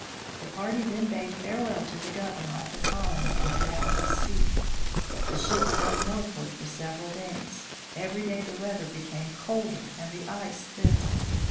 The party then bade farewell to the governor of the colony and put out to sea. The ship sailed northward for several days. Every day the weather became colder and the ice thicker.